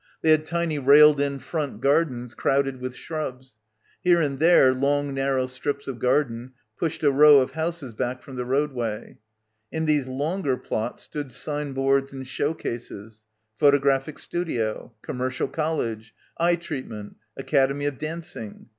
They had tiny railed in front gardens crowded with shrubs. Here and there long narrow strips of garden pushed a row of houses back from the roadway. In these longer plots stood signboards and show cases. "Photo — 20 — BACKWATER graphic Studio," "Commercial College," "Eye Treatment," "Academy of Dancing." ..